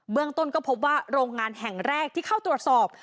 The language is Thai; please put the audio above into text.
เรื่องต้นก็พบว่าโรงงานแห่งแรกที่เข้าตรวจสอบ